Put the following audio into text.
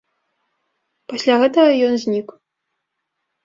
Пасля гэтага ён знік.